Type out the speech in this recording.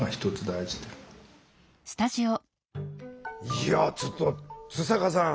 いやちょっと津坂さん